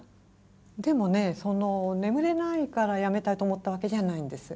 でもね眠れないからやめたいと思ったわけじゃないんです。